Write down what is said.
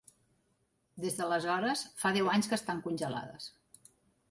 Des d’aleshores, fa deu anys que estan congelades.